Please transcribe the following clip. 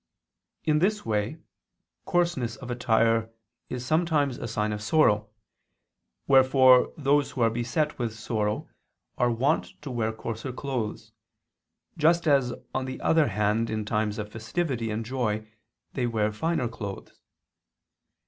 In this way coarseness of attire is sometimes a sign of sorrow: wherefore those who are beset with sorrow are wont to wear coarser clothes, just as on the other hand in times of festivity and joy they wear finer clothes.